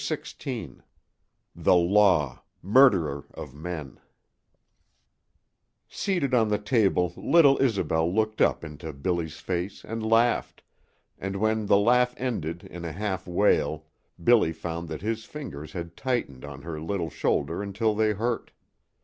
XVI THE LAW MURDERER OF MEN Seated on the table, little Isobel looked up into Billy's face and laughed, and when the laugh ended in a half wail Billy found that his fingers had tightened on her little shoulder until they hurt.